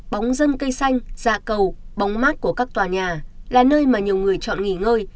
bóng dâm cây xanh dạ cầu bóng mát của các tòa nhà là nơi mà nhiều người chọn nghỉ ngơi